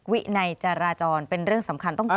วินายจราจรเป็นเรื่องสำคัญต้องกดค่ะ